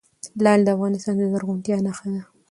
لعل د افغانستان د زرغونتیا نښه ده.